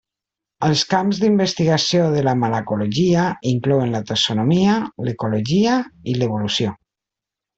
Els camps d'investigació de la malacologia inclouen la taxonomia, l'ecologia, i l'evolució.